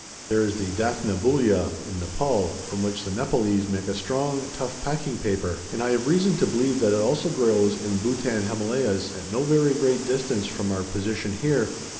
There is the `Daphne Bholua,' in Nepaul; from which the Nepaulese make a strong, tough, packing paper; and I have reason to believe that it also grows in the Bhotan Himalayas at no very great distance from our position here.